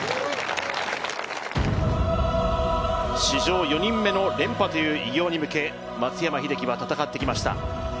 史上４人目の連覇という偉業に向け、松山英樹は戦ってきました。